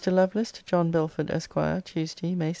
LOVELACE, TO JOHN BELFORD, ESQ. TUESDAY, MAY 2.